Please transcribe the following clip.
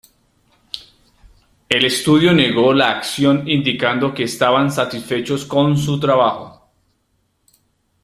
El estudio negó la acción indicando que estaban satisfechos con su trabajo.